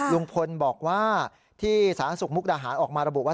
ลุงพลบอกว่าที่สหสมุทรอาหารออกมาระบบว่า